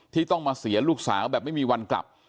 ที่ต้องมาเสียลูกสาวแบบไม่มีวันกลับ